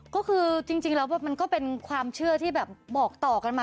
ก็คือจริงแล้วมันก็เป็นความเชื่อที่แบบบอกต่อกันมา